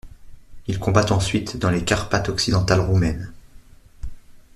Ils combattent ensuite dans les Carpates occidentales roumaines.